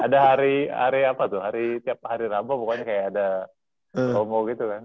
ada hari hari apa tuh hari tiap hari rabu pokoknya kayak ada romo gitu kan